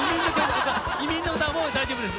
「移民の歌」はもう大丈夫です。